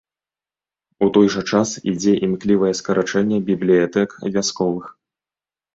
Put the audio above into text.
У той жа час ідзе імклівае скарачэнне бібліятэк вясковых.